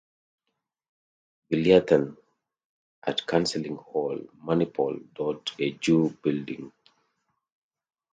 Valiathan, at counseling hall, Manipal dot edu building.